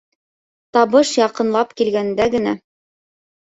Табыш яҡынлап килгәндә генә...